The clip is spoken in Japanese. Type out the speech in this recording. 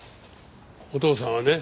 お父さんはね